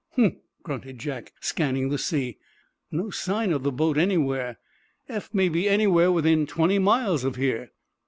"Humph!" grunted Jack, scanning the sea. "No sign of the boat anywhere. Eph may be anywhere within twenty miles of here."